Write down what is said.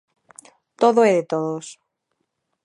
Todo é de todos.